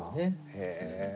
へえ。